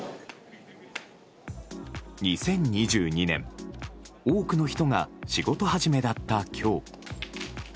２０２２年多くの人が仕事始めだった今日。